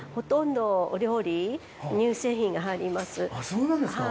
そうなんですか。